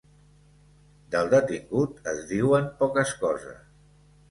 Del detingut es diuen poques coses.